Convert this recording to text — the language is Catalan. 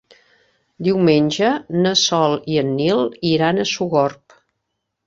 Diumenge na Sol i en Nil iran a Sogorb.